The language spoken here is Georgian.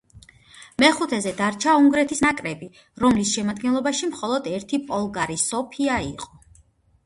მეხუთეზე დარჩა უნგრეთის ნაკრები, რომლის შემადგენლობაში მხოლოდ ერთი პოლგარი, სოფია იყო.